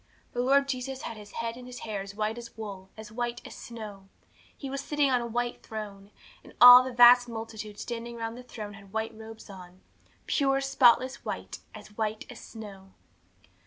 The Lord Jesus had His head and His hair as white as wool, as white as snow. He was sitting on a white throne, and all the vast multitude standing round the throne had white robes on pure, spotless white; as white as snow.